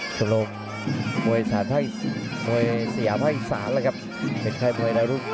กรมมวยสยาไพรศาลแหละครับ